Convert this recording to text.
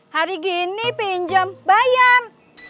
hari gini pinjam bayar